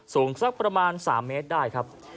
สูงสักประมาณ๓เมตรได้ครับ